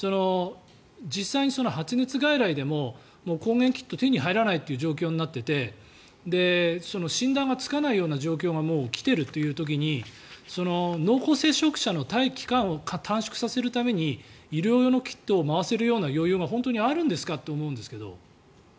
実際に発熱外来でも抗原キットが手に入らないという状況になっていて診断がつかないような状況がもう来ているという時に濃厚接触者の待機期間を短縮させるために医療用のキットを回せるような余裕が本当にあるんですかと思うんですけど。